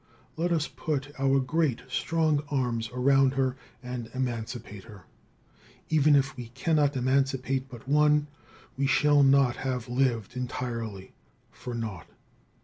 Let us put our great, strong arms around her and emancipate her. Even if we cannot emancipate but one, we shall not have lived entirely for naught.